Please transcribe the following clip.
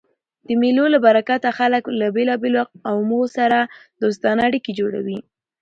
د مېلو له برکته خلک له بېلابېلو قومو سره دوستانه اړیکي جوړوي.